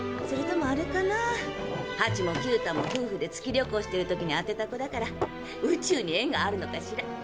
それともあれかなハチもキュータも夫婦で月旅行してる時に当てた子だから宇宙に縁があるのかしら？